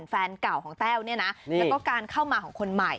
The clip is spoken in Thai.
แฟนเก่าของแต้วเนี่ยนะแล้วก็การเข้ามาของคนใหม่